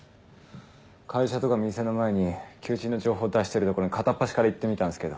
会社とか店の前に求人の情報出してる所に片っ端から行ってみたんすけど。